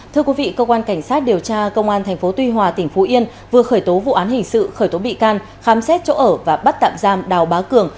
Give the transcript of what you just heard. thưa quý vị cơ quan cảnh sát điều tra công an tp tuy hòa tỉnh phú yên vừa khởi tố vụ án hình sự khởi tố bị can khám xét chỗ ở và bắt tạm giam đào bá cường